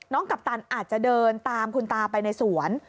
กัปตันอาจจะเดินตามคุณตาไปในสวน